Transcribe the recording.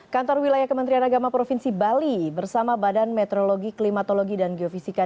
kantor wilayah kementerian agama provinsi bali bersama badan meteorologi klimatologi dan geofisika